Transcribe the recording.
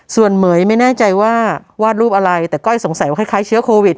ส่วนเหม๋ยไม่แน่ใจว่าวาดรูปอะไรแต่ก้อยสงสัยว่าคล้ายเชื้อโควิด